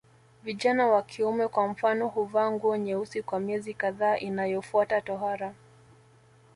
Vijana wa kiume kwa mfano huvaa nguo nyeusi kwa miezi kadhaa inayofuata tohara